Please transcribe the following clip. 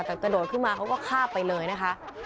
แต่กระโดดขึ้นมาเขาก็ข้าบไปเลยนะคะ